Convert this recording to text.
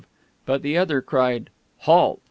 but the other cried "Halt!"